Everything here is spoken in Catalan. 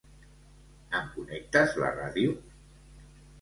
Em connectes la ràdio?